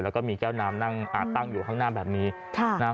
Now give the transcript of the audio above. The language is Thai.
แล้วก็มีแก้วน้ำนั่งอ่าตั้งอยู่ข้างหน้าแบบนี้ค่ะนะฮะ